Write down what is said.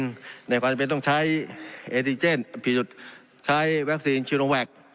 ในความจำเป็นต้องใช้เอติเจนผิดจุดใช้วัคซีนชิโนแวค